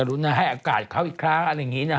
รุ้นนะให้อากาศเขาอีกครั้งอะไรอย่างนี้นะ